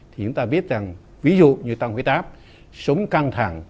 thì chúng ta biết rằng ví dụ như tăng huyết áp sống căng thẳng